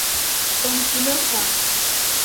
Com qui no fa.